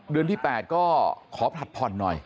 เดือนที่๘ก็ขอผลัดผ่อนหน่อย